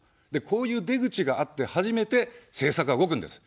こういう出口があって初めて政策が動くんです。